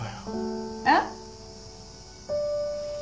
えっ？